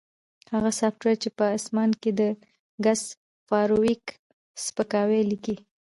هغه سافټویر چې په اسمان کې د ګس فارویک سپکاوی لیکي